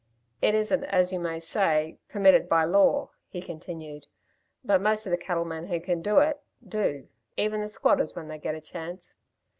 "It isn't as you may say, permitted by law," he continued. "But most of the cattle men who can do it, do even the squatters when they get a chance.